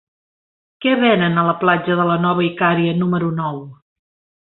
Què venen a la platja de la Nova Icària número nou?